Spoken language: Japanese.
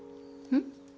うん。